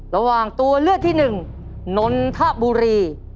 ระหว่างตัวเลือกที่หนึ่งนนทบุรี